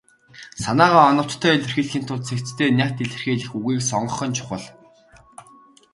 Санаагаа оновчтой илэрхийлэхийн тулд цэгцтэй, нягт илэрхийлэх үгийг сонгох нь чухал.